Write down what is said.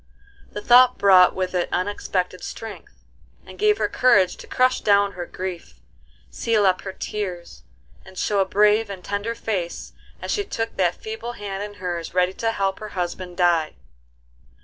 The thought brought with it unexpected strength, and gave her courage to crush down her grief, seal up her tears, and show a brave and tender face as she took that feeble hand in hers ready to help her husband die.